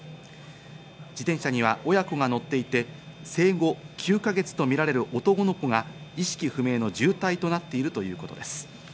自転車には親子が乗っていて生後９か月とみられる男の子が意識不明の重体となっているということです。